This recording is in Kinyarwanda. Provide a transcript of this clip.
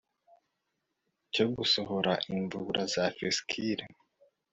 cyo gusohora imvubura ya vesicule